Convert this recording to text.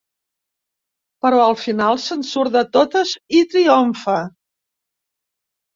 Però al final se'n surt de totes, i triomfa.